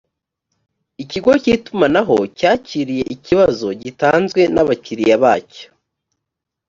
ikigo cy’ itumanaho cyakiriye ikibazo gitanzwe n’abakiriya bacyo